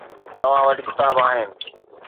توهان وٽ ڪتاب آهن.